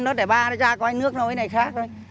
đó để ba ra coi nước nó cái này khác thôi